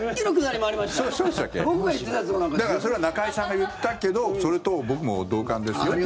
だから、それは中居さんが言ったけどそれと僕も同感ですよって。